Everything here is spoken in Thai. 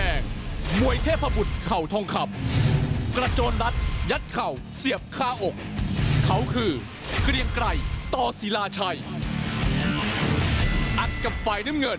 เอ้าไปชมวิทยา